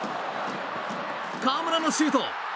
川村のシュート。